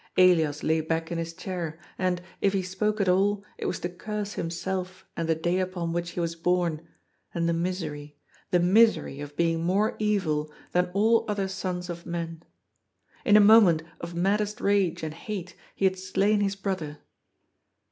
Elias lay back in his chair, and, if he spoke at all, it was to curse himself and the day upon which he was bom and the misery, the misery, of being more evil than all other sons of men. In a moment of maddest rage and hate he had slain his brother.